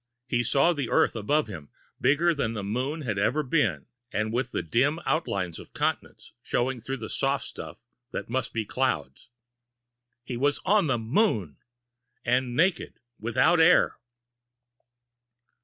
He saw the Earth above him, bigger than the moon had ever been, and with the dim outlines of continents showing through the soft stuff that must be clouds. He was on the moon! And naked, without air!